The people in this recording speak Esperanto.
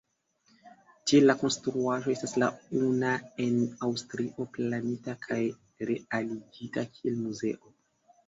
Tiel la konstruaĵo estas la una en Aŭstrio planita kaj realigita kiel muzeo.